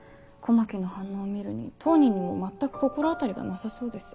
狛木の反応を見るに当人にも全く心当たりがなさそうです。